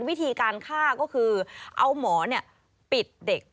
วิธีการฆ่าก็คือเอาหมอปิดเด็ก